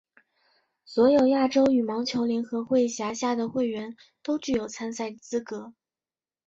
所有亚洲羽毛球联合会辖下的会员都具有参赛资格。